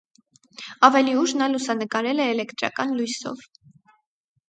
Ավելի ուշ նա լուսանկարել է էլեկտրական լույսով։